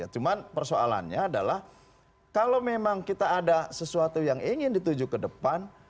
cuma persoalannya adalah kalau memang kita ada sesuatu yang ingin dituju ke depan